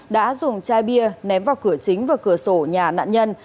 đã dùng chai bia ném vào cửa chính và cửa sổ nhà nạn nhân